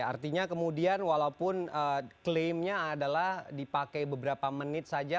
artinya kemudian walaupun klaimnya adalah dipakai beberapa menit saja